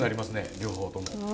両方とも。